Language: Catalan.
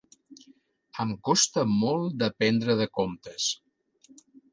Em costa molt d'aprendre de comptes.